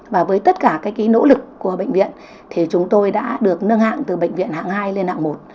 và với tất cả các nỗ lực của bệnh viện thì chúng tôi đã được nâng hạng từ bệnh viện hạng hai lên hạng một